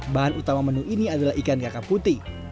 bahan utama menu ini adalah ikan kakap putih